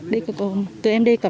đi cực không tụi em đi cực á